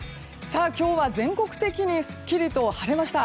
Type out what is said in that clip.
今日は全国的にすっきりと晴れました。